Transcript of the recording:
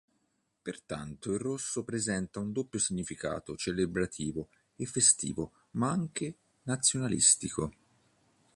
Pertanto il rosso presenta un doppio significato celebrativo e festivo ma anche nazionalistico.